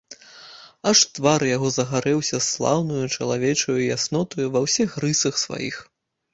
Аж твар яго загарэўся слаўнаю чалавечаю яснотаю ва ўсіх рысах сваіх.